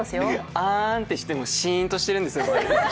あーんってしてもシーンとしてるんですよ。